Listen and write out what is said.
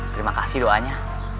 terima kasih doanya